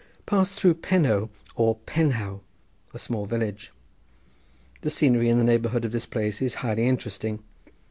Passed through Penow or Penhow, a small village. The scenery in the neighbourhood of this place is highly interesting.